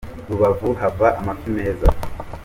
Rubavu hava amafi meza.